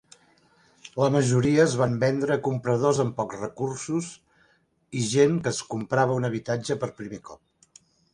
La majoria es van vendre a compradors amb pocs recursos i gent que es comprava un habitatge per primer cop.